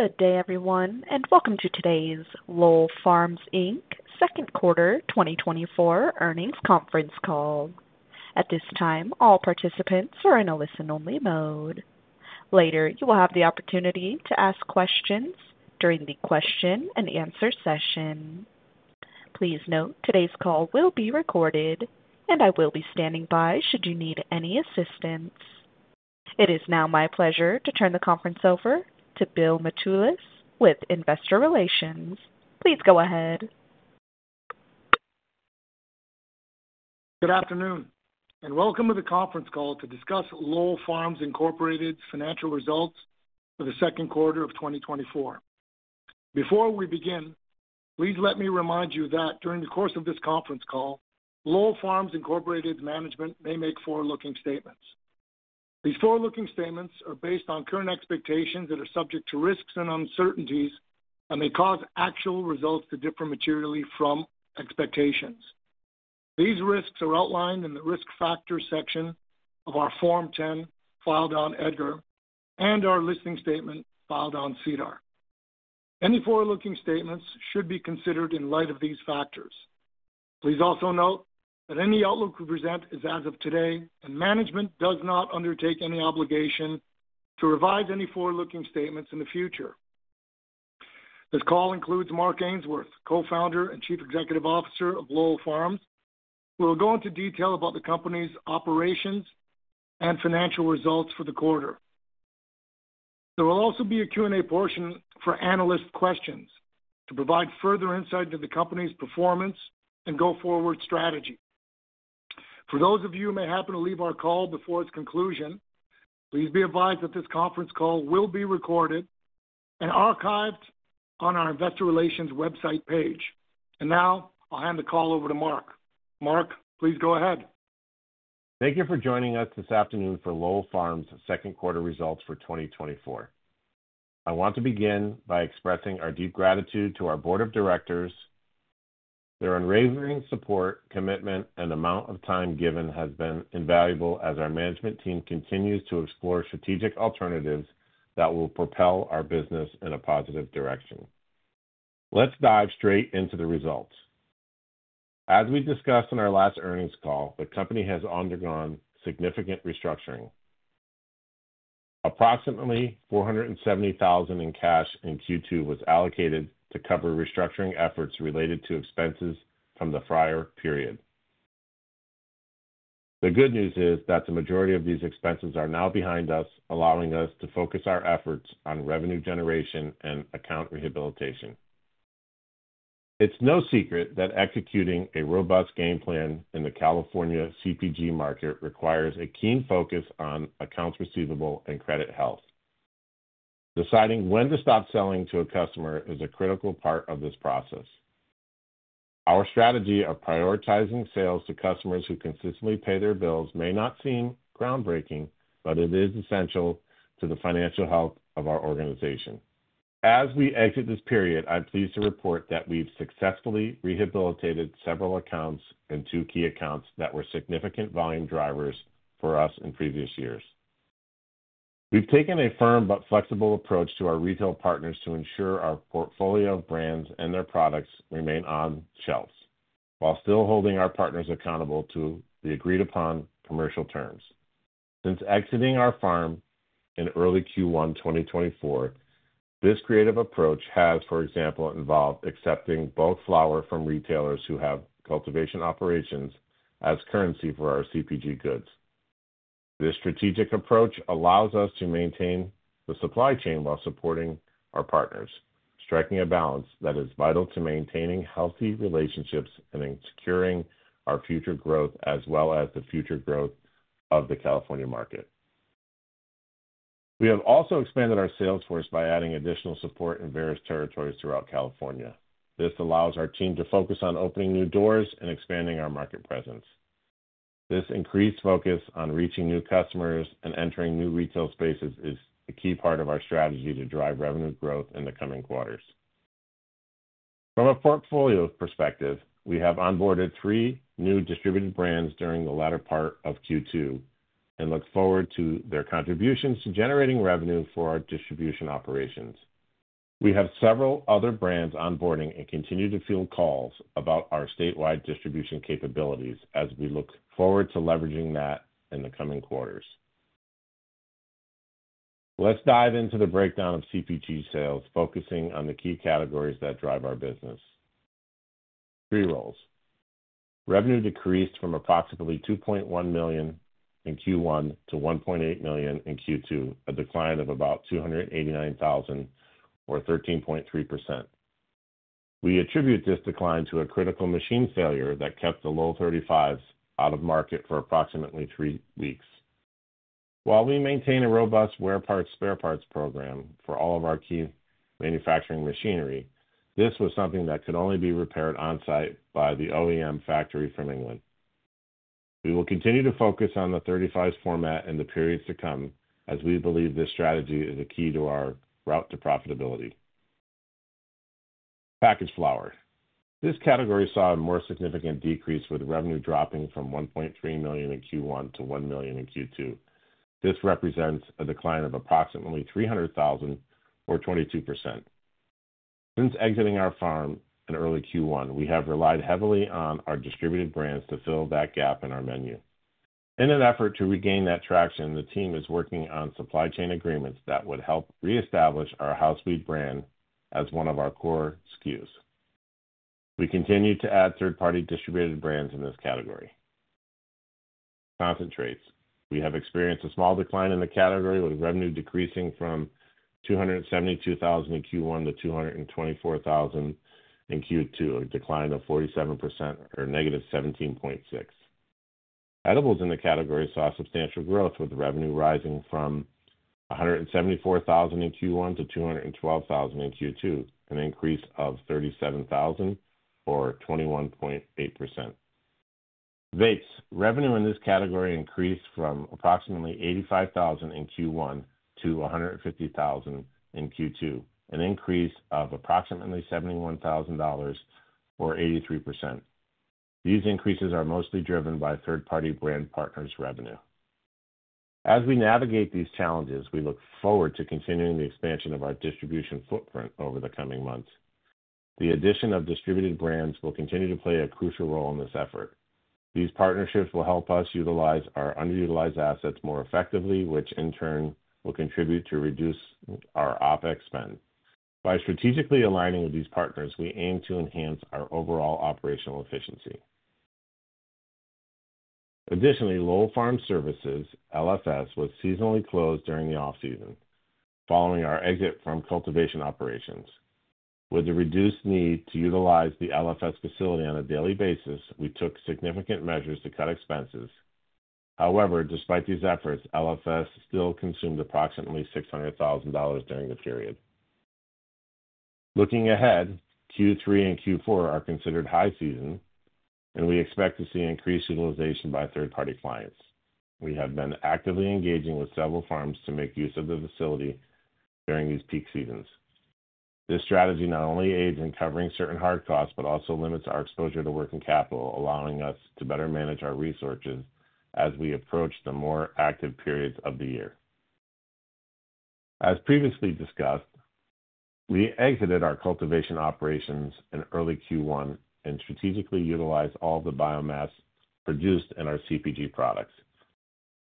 Good day, everyone, and welcome to today's Lowell Farms Inc. second quarter 2024 earnings conference call. At this time, all participants are in a listen-only mode. Later, you will have the opportunity to ask questions during the question and answer session. Please note, today's call will be recorded and I will be standing by should you need any assistance. It is now my pleasure to turn the conference over to Bill Matulis with Investor Relations. Please go ahead. Good afternoon, and welcome to the conference call to discuss Lowell Farms Incorporated's financial results for the second quarter of 2024. Before we begin, please let me remind you that during the course of this conference call, Lowell Farms Incorporated's management may make forward-looking statements. These forward-looking statements are based on current expectations that are subject to risks and uncertainties and may cause actual results to differ materially from expectations. These risks are outlined in the Risk Factors section of our Form 10, filed on EDGAR, and our listing statement, filed on SEDAR. Any forward-looking statements should be considered in light of these factors. Please also note that any outlook we present is as of today, and management does not undertake any obligation to revise any forward-looking statements in the future. This call includes Mark Ainsworth, Co-founder and Chief Executive Officer of Lowell Farms, who will go into detail about the company's operations and financial results for the quarter. There will also be a Q&A portion for analyst questions to provide further insight into the company's performance and go-forward strategy. For those of you who may happen to leave our call before its conclusion, please be advised that this conference call will be recorded and archived on our investor relations website page. And now I'll hand the call over to Mark. Mark, please go ahead. Thank you for joining us this afternoon for Lowell Farms' second quarter results for 2024. I want to begin by expressing our deep gratitude to our board of directors. Their unwavering support, commitment and amount of time given has been invaluable as our management team continues to explore strategic alternatives that will propel our business in a positive direction. Let's dive straight into the results. As we discussed in our last earnings call, the company has undergone significant restructuring. Approximately $470,000 in cash in Q2 was allocated to cover restructuring efforts related to expenses from the prior period. The good news is that the majority of these expenses are now behind us, allowing us to focus our efforts on revenue generation and account rehabilitation. It's no secret that executing a robust game plan in the California CPG market requires a keen focus on accounts receivable and credit health. Deciding when to stop selling to a customer is a critical part of this process. Our strategy of prioritizing sales to customers who consistently pay their bills may not seem groundbreaking, but it is essential to the financial health of our organization. As we exit this period, I'm pleased to report that we've successfully rehabilitated several accounts and two key accounts that were significant volume drivers for us in previous years. We've taken a firm but flexible approach to our retail partners to ensure our portfolio of brands and their products remain on shelves while still holding our partners accountable to the agreed-upon commercial terms. Since exiting our farm in early Q1 2024, this creative approach has, for example, involved accepting both flower from retailers who have cultivation operations as currency for our CPG goods. This strategic approach allows us to maintain the supply chain while supporting our partners, striking a balance that is vital to maintaining healthy relationships and in securing our future growth, as well as the future growth of the California market. We have also expanded our sales force by adding additional support in various territories throughout California. This allows our team to focus on opening new doors and expanding our market presence. This increased focus on reaching new customers and entering new retail spaces is a key part of our strategy to drive revenue growth in the coming quarters. From a portfolio perspective, we have onboarded three new distributed brands during the latter part of Q2, and look forward to their contributions to generating revenue for our distribution operations. We have several other brands onboarding and continue to field calls about our statewide distribution capabilities as we look forward to leveraging that in the coming quarters. Let's dive into the breakdown of CPG sales, focusing on the key categories that drive our business. Pre-rolls. Revenue decreased from approximately $2.1 million in Q1 to $1.8 million in Q2, a decline of about $289,000 or 13.3%. We attribute this decline to a critical machine failure that kept the Lowell 35s out of market for approximately three weeks. While we maintain a robust wear parts, spare parts program for all of our key manufacturing machinery, this was something that could only be repaired on-site by the OEM factory from England. We will continue to focus on the 35s format in the periods to come, as we believe this strategy is a key to our route to profitability.... Packaged flower. This category saw a more significant decrease, with revenue dropping from $1.3 million in Q1 to $1 million in Q2. This represents a decline of approximately $300,000 or 22%. Since exiting our farm in early Q1, we have relied heavily on our distributed brands to fill that gap in our menu. In an effort to regain that traction, the team is working on supply chain agreements that would help reestablish our House Weed brand as one of our core SKUs. We continue to add third-party distributed brands in this category. Concentrates. We have experienced a small decline in the category, with revenue decreasing from $272,000 in Q1 to $224,000 in Q2, a decline of $48,000 or -17.6%. Edibles in the category saw substantial growth, with revenue rising from $174,000 in Q1 to $212,000 in Q2, an increase of $37,000 or 21.8%. Vapes. Revenue in this category increased from approximately $85,000 in Q1 to $150,000 in Q2, an increase of approximately $71,000 or 83%. These increases are mostly driven by third-party brand partners' revenue. As we navigate these challenges, we look forward to continuing the expansion of our distribution footprint over the coming months. The addition of distributed brands will continue to play a crucial role in this effort. These partnerships will help us utilize our underutilized assets more effectively, which in turn will contribute to reduce our OpEx spend. By strategically aligning with these partners, we aim to enhance our overall operational efficiency. Additionally, Lowell Farm Services, LFS, was seasonally closed during the off-season following our exit from cultivation operations. With the reduced need to utilize the LFS facility on a daily basis, we took significant measures to cut expenses. However, despite these efforts, LFS still consumed approximately $600,000 during the period. Looking ahead, Q3 and Q4 are considered high season, and we expect to see increased utilization by third-party clients. We have been actively engaging with several farms to make use of the facility during these peak seasons. This strategy not only aids in covering certain hard costs, but also limits our exposure to working capital, allowing us to better manage our resources as we approach the more active periods of the year. As previously discussed, we exited our cultivation operations in early Q1 and strategically utilized all the biomass produced in our CPG products.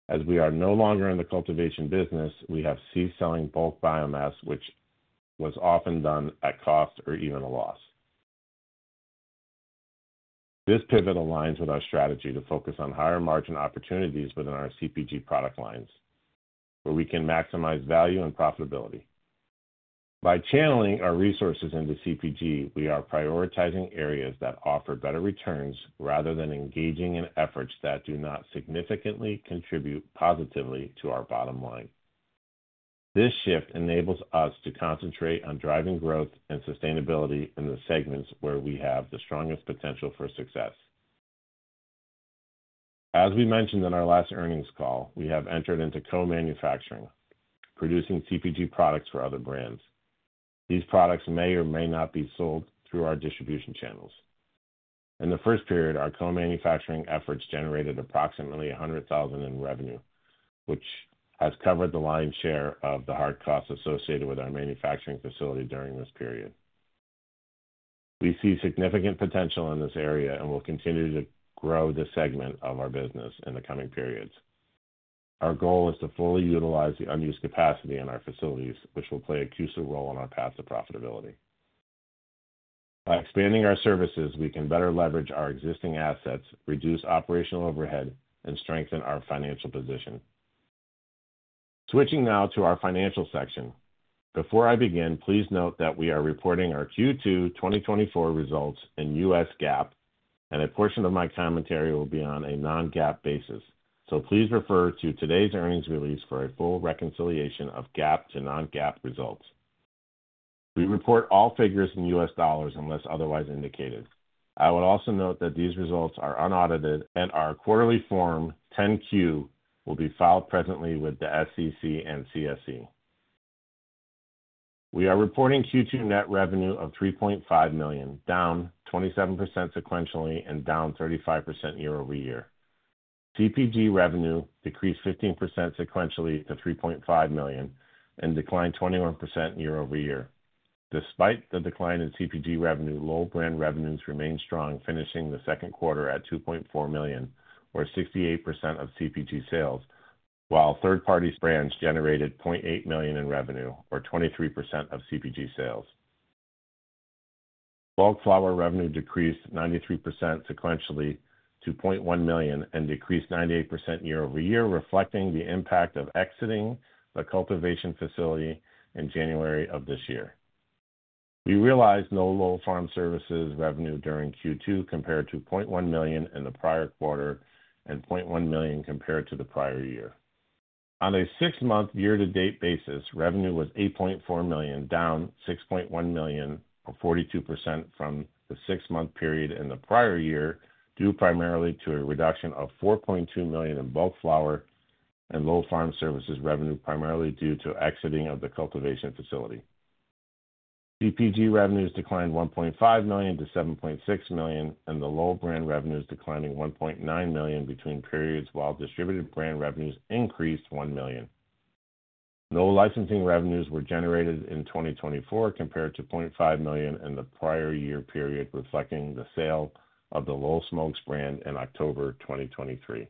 As we are no longer in the cultivation business, we have ceased selling bulk biomass, which was often done at cost or even a loss. This pivot aligns with our strategy to focus on higher-margin opportunities within our CPG product lines, where we can maximize value and profitability. By channeling our resources into CPG, we are prioritizing areas that offer better returns, rather than engaging in efforts that do not significantly contribute positively to our bottom line. This shift enables us to concentrate on driving growth and sustainability in the segments where we have the strongest potential for success. As we mentioned in our last earnings call, we have entered into co-manufacturing, producing CPG products for other brands. These products may or may not be sold through our distribution channels. In the first period, our co-manufacturing efforts generated approximately $100,000 in revenue, which has covered the lion's share of the hard costs associated with our manufacturing facility during this period. We see significant potential in this area and will continue to grow this segment of our business in the coming periods. Our goal is to fully utilize the unused capacity in our facilities, which will play a crucial role in our path to profitability. By expanding our services, we can better leverage our existing assets, reduce operational overhead, and strengthen our financial position. Switching now to our financial section. Before I begin, please note that we are reporting our Q2 2024 results in U.S. GAAP, and a portion of my commentary will be on a non-GAAP basis. So please refer to today's earnings release for a full reconciliation of GAAP to non-GAAP results. We report all figures in U.S. dollars unless otherwise indicated. I would also note that these results are unaudited, and our quarterly Form 10-Q will be filed presently with the SEC and CSE. We are reporting Q2 net revenue of $3.5 million, down 27% sequentially and down 35% year-over-year. CPG revenue decreased 15% sequentially to $3.5 million and declined 21% year-over-year. Despite the decline in CPG revenue, Lowell brand revenues remained strong, finishing the second quarter at $2.4 million, or 68% of CPG sales, while third-party brands generated $0.8 million in revenue, or 23% of CPG sales. Bulk flower revenue decreased 93% sequentially to $0.1 million and decreased 98% year-over-year, reflecting the impact of exiting the cultivation facility in January of this year. We realized no Lowell Farm Services revenue during Q2, compared to $0.1 million in the prior quarter and $0.1 million compared to the prior year. On a six-month year-to-date basis, revenue was $8.4 million, down $6.1 million or 42% from the six-month period in the prior year, due primarily to a reduction of $4.2 million in bulk flower-... and Lowell Farm Services revenue, primarily due to exiting of the cultivation facility. CPG revenues declined $1.5 million to $7.6 million, and the Lowell brand revenues declining $1.9 million between periods, while distributed brand revenues increased $1 million. No licensing revenues were generated in 2024 compared to $0.5 million in the prior year period, reflecting the sale of the Lowell Smokes brand in October 2023.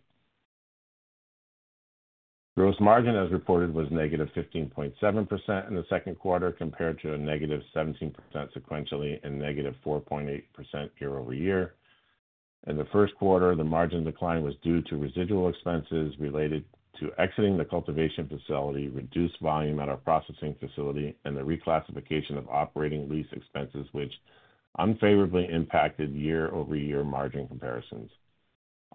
Gross margin as reported was -15.7% in the second quarter, compared to -17% sequentially, and -4.8% year-over-year. In the first quarter, the margin decline was due to residual expenses related to exiting the cultivation facility, reduced volume at our processing facility, and the reclassification of operating lease expenses, which unfavorably impacted year-over-year margin comparisons.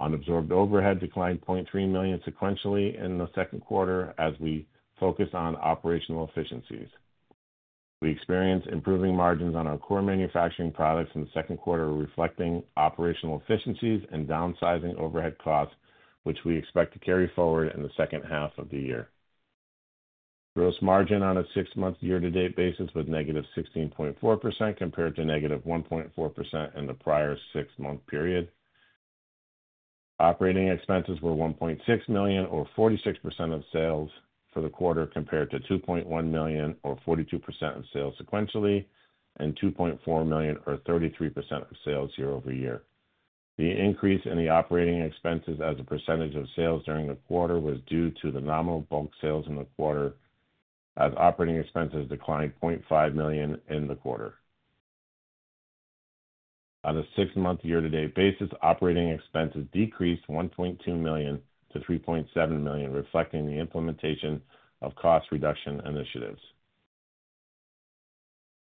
Unabsorbed overhead declined $0.3 million sequentially in the second quarter as we focus on operational efficiencies. We experienced improving margins on our core manufacturing products in the second quarter, reflecting operational efficiencies and downsizing overhead costs, which we expect to carry forward in the second half of the year. Gross margin on a six-month year-to-date basis was -16.4%, compared to -1.4% in the prior six-month period. Operating expenses were $1.6 million, or 46% of sales for the quarter, compared to $2.1 million, or 42% of sales sequentially, and $2.4 million, or 33% of sales year-over-year. The increase in the operating expenses as a percentage of sales during the quarter was due to the nominal bulk sales in the quarter as operating expenses declined $0.5 million in the quarter. On a six-month year-to-date basis, operating expenses decreased $1.2 million to $3.7 million, reflecting the implementation of cost reduction initiatives.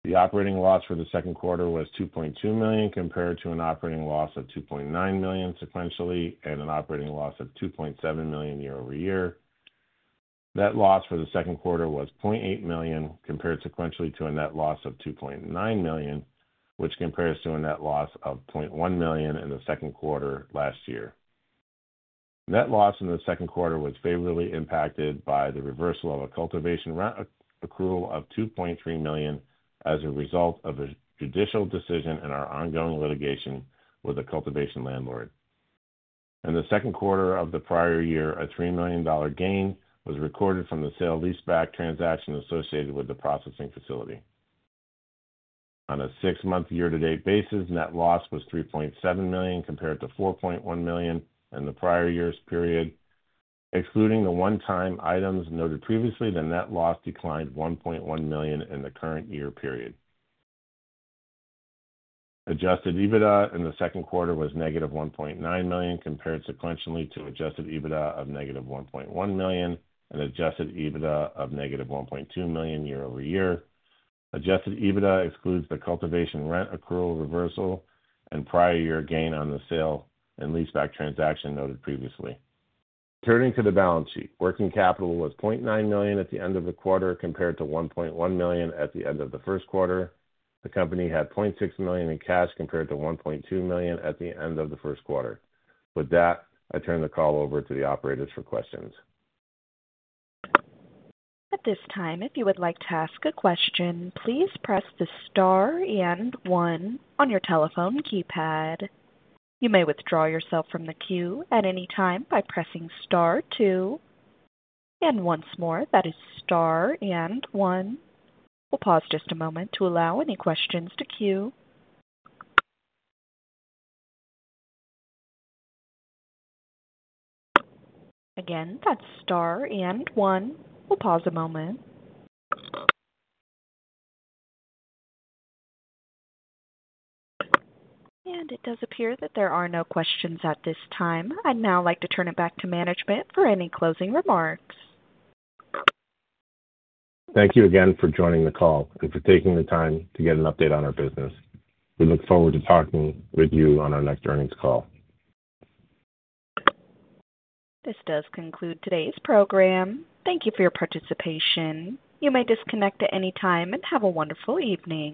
The operating loss for the second quarter was $2.2 million, compared to an operating loss of $2.9 million sequentially, and an operating loss of $2.7 million year-over-year. Net loss for the second quarter was $0.8 million, compared sequentially to a net loss of $2.9 million, which compares to a net loss of $0.1 million in the second quarter last year. Net loss in the second quarter was favorably impacted by the reversal of a cultivation rent accrual of $2.3 million as a result of a judicial decision in our ongoing litigation with a cultivation landlord. In the second quarter of the prior year, a $3 million gain was recorded from the sale-leaseback transaction associated with the processing facility. On a six-month year-to-date basis, net loss was $3.7 million, compared to $4.1 million in the prior year's period. Excluding the one-time items noted previously, the net loss declined $1.1 million in the current year period. Adjusted EBITDA in the second quarter was -$1.9 million, compared sequentially to Adjusted EBITDA of -$1.1 million and Adjusted EBITDA of -$1.2 million year-over-year. Adjusted EBITDA excludes the cultivation rent accrual reversal, and prior year gain on the sale-leaseback transaction noted previously. Turning to the balance sheet. Working capital was $0.9 million at the end of the quarter, compared to $1.1 million at the end of the first quarter. The company had $0.6 million in cash, compared to $1.2 million at the end of the first quarter. With that, I turn the call over to the operators for questions. At this time, if you would like to ask a question, please press the star and one on your telephone keypad. You may withdraw yourself from the queue at any time by pressing star two. And once more, that is star and one. We'll pause just a moment to allow any questions to queue. Again, that's star and one. We'll pause a moment. And it does appear that there are no questions at this time. I'd now like to turn it back to management for any closing remarks. Thank you again for joining the call and for taking the time to get an update on our business. We look forward to talking with you on our next earnings call. This does conclude today's program. Thank you for your participation. You may disconnect at any time and have a wonderful evening.